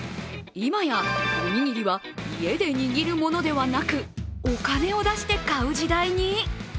今やおにぎりは家で握るものではなく、お金を出して買う時代に。